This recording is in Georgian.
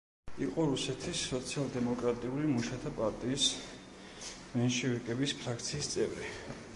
იყო რუსეთის სოციალ-დემოკრატიული მუშათა პარტიის „მენშევიკების“ ფრაქციის წევრი.